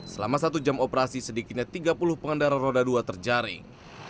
selama satu jam operasi sedikitnya tiga puluh pengendara roda dua terjaring